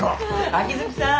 秋月さん！